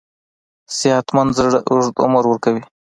صحتمند زړه اوږد عمر ورکوي.